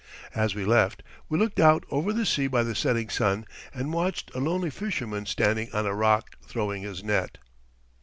As we left we looked out over the sea to the setting sun and watched a lonely fisherman standing on a rock throwing his net.